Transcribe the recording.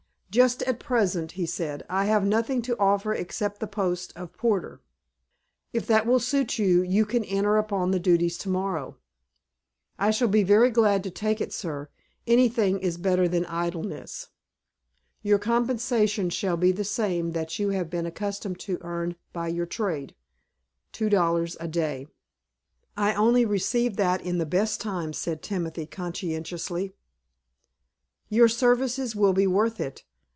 "Just at present," he said, "I have nothing to offer except the post of porter. If that will suit you, you can enter upon the duties to morrow." "I shall be very glad to take it, sir. Anything is better than idleness." "Your compensation shall be the same that you have been accustomed to earn by your trade, two dollars a day." "I only received that in the best times," said Timothy, conscientiously. "Your services will be worth it.